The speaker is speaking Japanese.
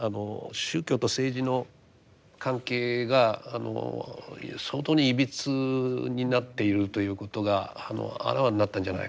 宗教と政治の関係が相当にいびつになっているということがあらわになったんじゃないか。